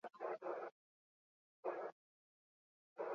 Elkarrekin esan diezaiogun ezetz gorrotoari, mendekuari, indarkeriari.